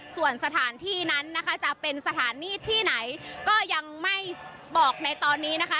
ส่วนสถานที่นั้นนะคะจะเป็นสถานที่ที่ไหนก็ยังไม่บอกในตอนนี้นะคะ